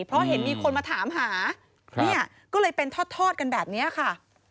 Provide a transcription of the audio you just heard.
เพราะเห็นมีคนมาถามหาเนี่ยก็เลยเป็นทอดกันแบบนี้ค่ะ